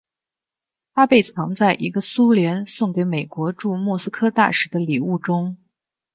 它被藏在一个苏联送给美国驻莫斯科大使的礼物中。